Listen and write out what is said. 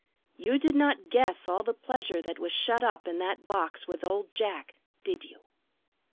"You did not guess all the pleasure that was shut up in that box with old Jack, did you?"